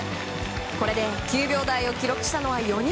これで９秒台を記録したのは４人。